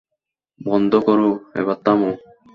বন্ধ করো, এবার থামো।